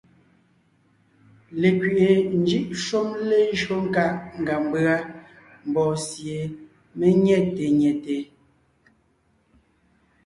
Lekwiʼi njʉ́ʼ shúm lejÿó nkáʼ ngʉa mbʉ́a mbɔɔ sie mé nyɛ̂te nyɛte.